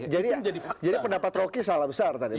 jadi pendapat roke salah besar tadi